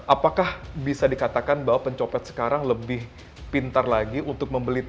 apakah bisa dikatakan bahwa pencopet sekarang lebih pintar lagi untuk membeli tiket